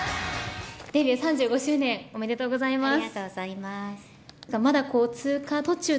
デビュー３５周年おめでとうございます。